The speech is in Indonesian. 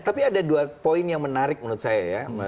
tapi ada dua poin yang menarik menurut saya ya